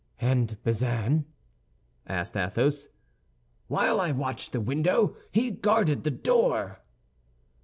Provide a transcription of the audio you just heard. "And Bazin?" asked Athos. "While I watched the window, he guarded the door."